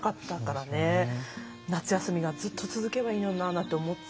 夏休みがずっと続けばいいのにななんて思って。